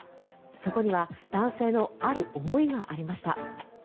そこには男性のある思いがありました。